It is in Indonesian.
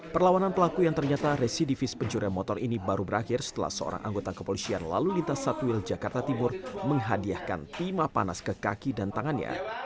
perlawanan pelaku yang ternyata residivis pencurian motor ini baru berakhir setelah seorang anggota kepolisian lalu lintas satwil jakarta timur menghadiahkan timah panas ke kaki dan tangannya